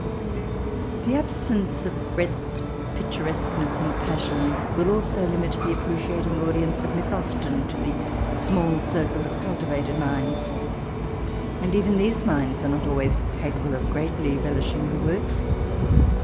The absence of breadth, picturesque ness, and passion, will also limit the appreciating audience of Hiss Aus ten to the miall circle of cultivated minds ; and even these minds are not always capable of greatly relfeh Sng her works.